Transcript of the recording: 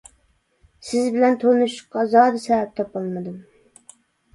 سىز بىلەن تونۇشۇشقا زادى سەۋەب تاپالمىدىم.